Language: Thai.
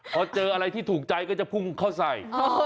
พอเจออะไรที่ถูกใจก็จะพุ่งเข้าใส่